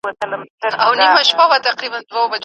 د هېواد بهرنیو اړیکې د اوږدمهاله پلان له نشتوالي خالي نه دي.